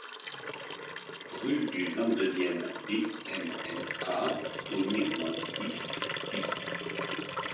Rue du vingt-deux e BMNA au numéro dix BIS